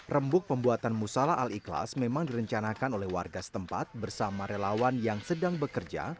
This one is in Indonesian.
rembuk pembuatan musala al ikhlas memang direncanakan oleh warga setempat bersama relawan yang sedang bekerja